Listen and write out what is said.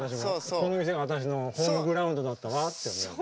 この店が私のホームグラウンドだったわって思うの。